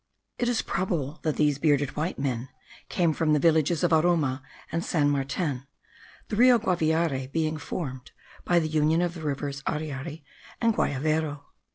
It is probable, that these bearded white men came from the villages of Aroma and San Martin, the Rio Guaviare being formed by the union of the rivers Ariari and Guayavero.